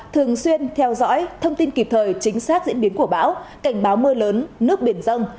thường xuyên theo dõi thông tin kịp thời chính xác diễn biến của bão cảnh báo mưa lớn nước biển dân